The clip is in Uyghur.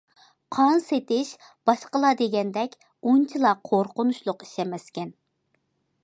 قان سېتىش باشقىلار دېگەندەك ئۇنچىلا قورقۇنچلۇق ئىش ئەمەس ئىكەن.